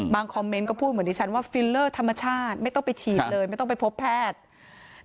คอมเมนต์ก็พูดเหมือนดิฉันว่าฟิลเลอร์ธรรมชาติไม่ต้องไปฉีดเลยไม่ต้องไปพบแพทย์